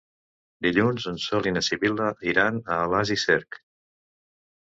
Dilluns en Sol i na Sibil·la iran a Alàs i Cerc.